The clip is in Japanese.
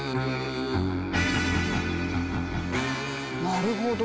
なるほど。